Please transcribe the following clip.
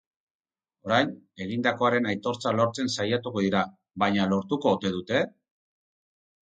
Orain, egindakoaren aitortza lortzen saiatuko dira, baina lortuko ote dute?